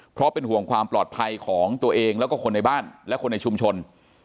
เพราะเป็นห่วงความปลอดภัยของตัวเองแล้วก็คนในบ้านและคนในชุมชน